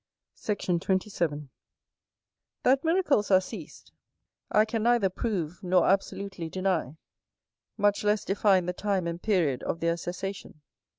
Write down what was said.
Sect. 27. That miracles are ceased, I can neither prove nor absolutely deny, much less define the time and period of their cessation.